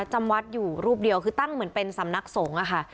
จำวัดอยู่รูปเดียวคือตั้งเหมือนเป็นสำนักสงฆ์อะค่ะ